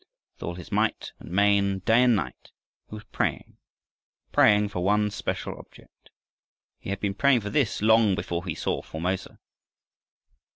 With all his might and main, day and night, he was praying praying for one special object. He had been praying for this long before he saw Formosa.